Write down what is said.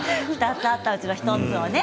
２つあったうちの１つをね。